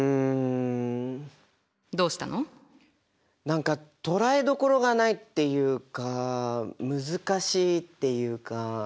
何か捕らえどころがないっていうか難しいっていうか。